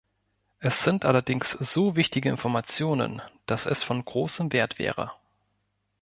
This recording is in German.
Es sind allerdings so wichtige Informationen, dass es von großem Wert wäre.